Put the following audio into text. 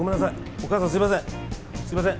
お母さん、すみません。